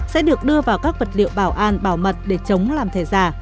sẽ được đưa vào các vật liệu bảo an bảo mật để chống làm thẻ giả